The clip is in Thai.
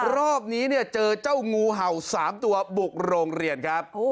รอบนี้เจอเจ้างูเห่า๓ตัวปลูกโรงเรียนครับ